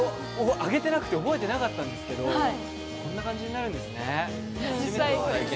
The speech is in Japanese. あげてなくて覚えてなかったんですけど、こんな感じになるんです